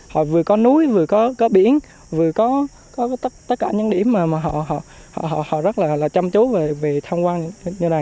họ vừa có núi vừa có có biển vừa có tất cả những điểm mà họ rất là chăm chú về tham quan như này